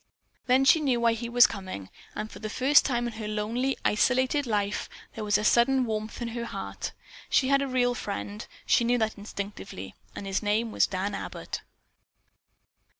Then she knew why he was coming, and for the first time in her lonely, isolated life, there was a sudden warmth in her heart. She had a real friend, she knew that instinctively, and his name was Dan Abbott.